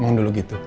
emang dulu gitu